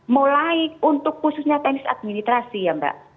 mulai untuk khususnya teknis administrasi ya mbak